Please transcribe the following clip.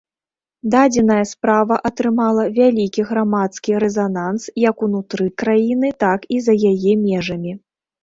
Дадзеная справа атрымала вялікі грамадскі рэзананс як унутры краіны, так і за яе межамі.